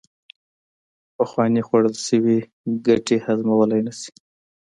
پخوانې خوړل شوې ګټې هضمولې نشي